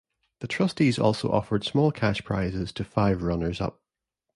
The trustees also offered small cash prizes to five runners up.